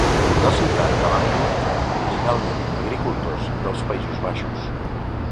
La ciutat la van colonitzar originalment agricultors dels Països Baixos.